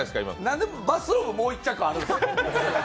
なんでバスローブ、もう１着あるんですか？